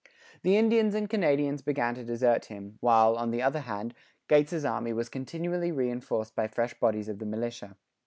The Indians and Canadians began to desert him; while, on the other hand, Gates's army was continually reinforced by fresh bodies of the militia.